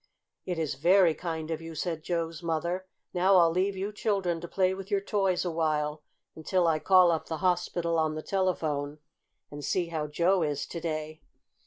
"It is very kind of you," said Joe's mother. "Now I'll leave you children to play with your toys awhile, until I call up the hospital on the telephone and see how Joe is to day.